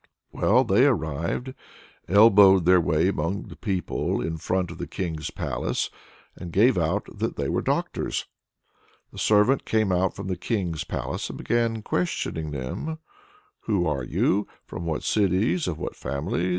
Well, they arrived, elbowed their way among the people in front of the King's palace, and gave out that they were doctors. The servant came out from the King's palace, and began questioning them: "Who are you? from what cities, of what families?